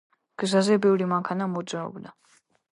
გზაზე ბევრი მანქანა მოძრაობდა.